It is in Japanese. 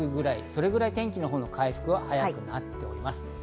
それぐらい天気の回復は早くなってきます。